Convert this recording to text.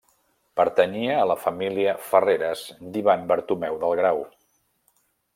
Pertanyia a la família de Ferreres d'Ivan Bartomeu del Grau.